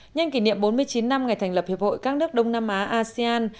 nhân kỷ niệm bốn mươi chín năm ngày thành lập hiệp hội các nước đông nam á asean